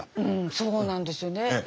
うんそうなんですよね。